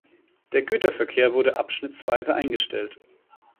Der Güterverkehr wurde abschnittsweise eingestellt.